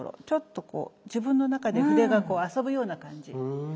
ちょっとこう自分の中で筆が遊ぶような感じ。